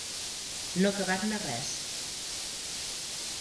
No acabar-ne res.